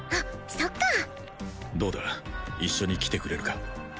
そっかどうだ一緒に来てくれるか？